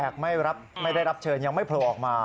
ไม่ได้รับเชิญยังไม่โผล่ออกมา